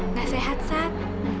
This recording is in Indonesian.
nggak sehat sat